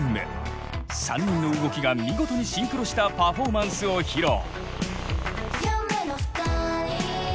３人の動きが見事にシンクロしたパフォーマンスを披露。